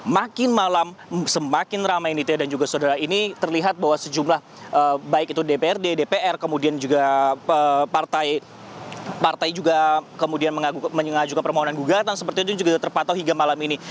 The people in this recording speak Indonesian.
makin malam semakin ramai nitya dan juga saudara ini terlihat bahwa sejumlah baik itu dprd dpr kemudian juga partai juga kemudian mengajukan permohonan gugatan seperti itu juga terpantau hingga malam ini